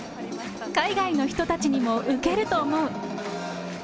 海外の人たちにもウケると思う。